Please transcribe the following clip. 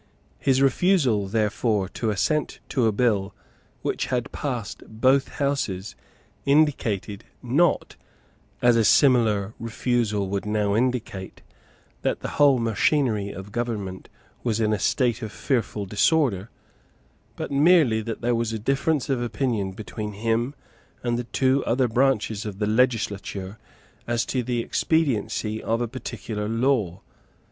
His refusal, therefore, to assent to a bill which had passed both Houses indicated, not, as a similar refusal would now indicate, that the whole machinery of government was in a state of fearful disorder, but merely that there was a difference of opinion between him and the two other branches of the legislature as to the expediency of a particular law.